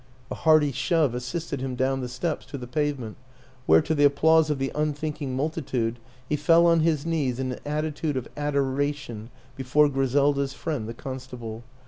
A hearty shove assisted him down the steps to the pavement where, to the applause of the unthinking multitude, he fell on his knees in an attitude of adoration before Griselda's friend the constable.